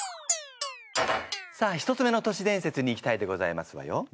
さあ１つ目の年伝説にいきたいでございますわよ。